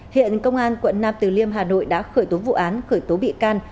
hiện công an quận nam từ liêm hà nội đã khởi tố vụ án khởi tố bị can